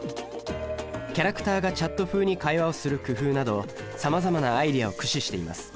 キャラクターがチャット風に会話をする工夫などさまざまなアイデアを駆使しています。